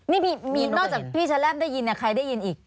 นี่นอกจากพี่ฉลาดได้ยินใครได้ยินอีก